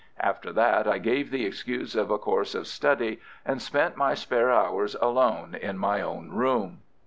After that I gave the excuse of a course of study, and spent my spare hours alone in my own room.